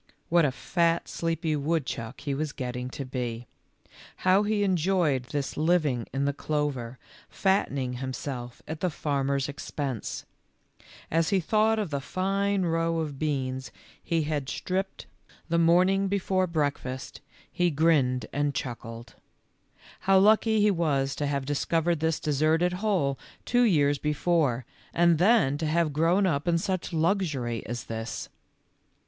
What a fat, sleepy woodchuck he was getting to be ! How he enjoyed this living in the clover, fattening himself at the farmer's expense ! As he thought of the fine row of beans he had stripped the 'CAW, CAW," CRIED NlMROD. CHUCKY' S LAST BREAKFAST. 35 morning before for breakfast, he grinned and chuckled. How lucky he was to have discovered this deserted hole two years before, and then to have grown up in such luxury as this